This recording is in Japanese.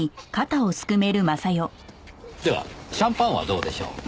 ではシャンパンはどうでしょう？